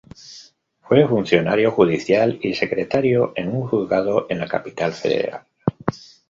Fue funcionario judicial y secretario en un juzgado en la Capital Federal.